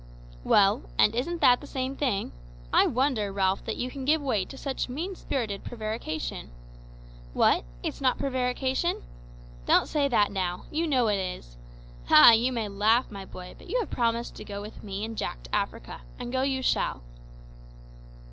"Well, and isn't that the same thing? I wonder, Ralph that you can give way to such mean spirited prevarication. What? `It's not prevarication!' Don't say that now; you know it is. Ah! you may laugh, my boy, but you have promised to go with me and Jack to Africa, and go you shall."